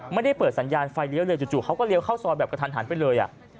ไม่ได้เปิดสัญญาณไฟเลี้ยวเลยจู่เขาก็เลี้ยเข้าซอยแบบกระทันหันไปเลย